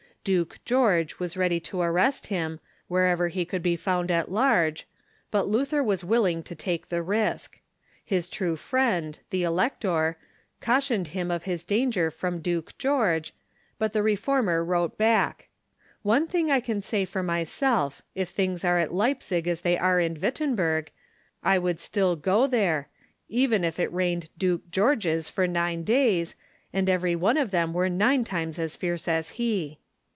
Duke George was ready to ar rest him, wherever he could be found at large, but Luther was Avilling to take the risk. His true friend, the Elector, cau tioned him of his danger from Duke George, but the Re former wrote back :" One thing I can say for myself : if things are at Leipzig as they are at "Wittenberg, I would still go there, even if it rained Duke Georges for nine days, and every one of them were nine times as fierce as he."